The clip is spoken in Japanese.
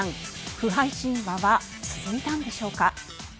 不敗神話は続いたんでしょうか。